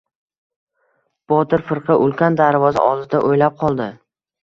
Botir firqa ulkan darvoza oldida o‘ylab qoldi.